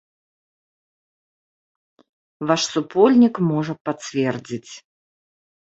Ваш супольнік можа пацвердзіць.